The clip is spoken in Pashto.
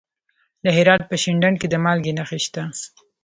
د هرات په شینډنډ کې د مالګې نښې شته.